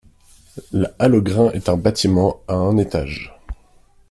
La halle aux grains est un bâtiment à un étage.